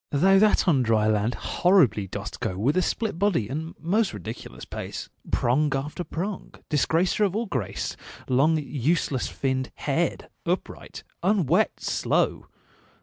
Thou that on dry land horribly dost go With a split body and most ridiculous pace, Prong after prong, disgracer of all grace, Long useless finned, haired, upright, unwet, slow!